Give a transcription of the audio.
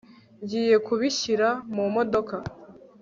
ngiye kubishyira mumodoka